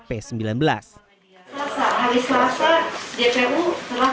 pertama ini penutup mengatakan sifat terhadap berkas perkara